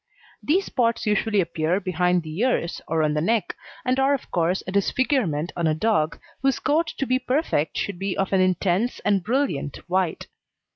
These spots usually appear behind the ears or on the neck, and are of course a disfigurement on a dog whose coat to be perfect should be of an intense and brilliant white.